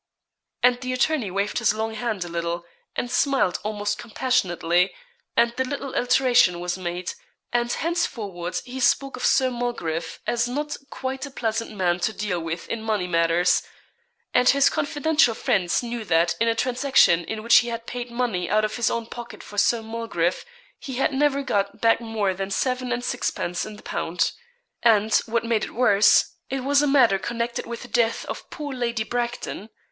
And the attorney waved his long hand a little, and smiled almost compassionately; and the little alteration was made, and henceforward he spoke of Sir Mulgrave as not quite a pleasant man to deal with in money matters; and his confidential friends knew that in a transaction in which he had paid money out of his own pocket for Sir Mulgrave he had never got back more than seven and sixpence in the pound; and, what made it worse, it was a matter connected with the death of poor Lady Bracton!